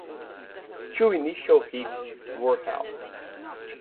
Two initial heats were held.